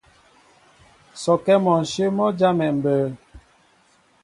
Sɔkɛ mɔnshyə̂ mɔ́ jámɛ mbə̌.